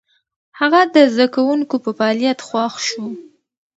هغه د زده کوونکو په فعاليت خوښ شو.